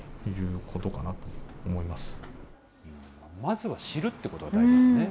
まずは知るってことが大事ですね。